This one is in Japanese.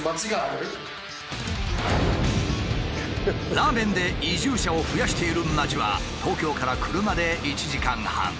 ラーメンで移住者を増やしている町は東京から車で１時間半。